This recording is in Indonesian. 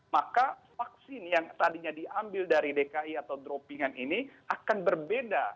maka vaksin yang tadinya diambil dari dki atau droppingan ini akan berbeda